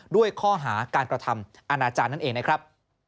ด้วยข้อหาการกระทำอาณาจารย์นั่นเองนะครับ